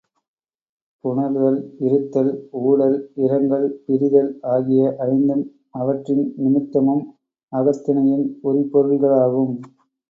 புணர்தல், இருத்தல், ஊடல், இரங்கல், பிரிதல் ஆகிய ஐந்தும், அவற்றின் நிமித்தமும் அகத்திணையின் உரிப்பொருள்களாகும்.